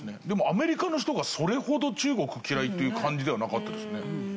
でもアメリカの人がそれほど中国嫌いっていう感じではなかったですね。